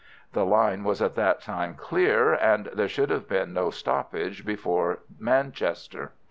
The line was at that time clear, and there should have been no stoppage before Manchester.